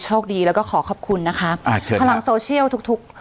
คดีแล้วก็ขอขอบคุณนะคะอ่าเชิญพลังโซเชียลทุกทุก